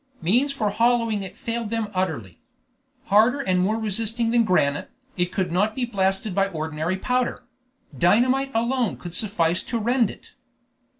Means for hollowing it failed them utterly. Harder and more resisting than granite, it could not be blasted by ordinary powder; dynamite alone could suffice to rend it.